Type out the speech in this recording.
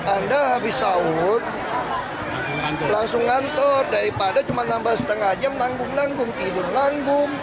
anda habis sahur langsung ngantor daripada cuma nambah setengah jam nanggung nanggung tidur nanggung